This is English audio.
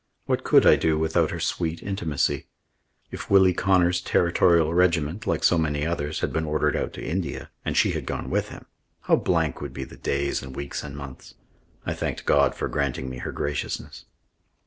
What could I do without her sweet intimacy? If Willie Connor's Territorial regiment, like so many others, had been ordered out to India, and she had gone with him, how blank would be the days and weeks and months! I thanked God for granting me her graciousness.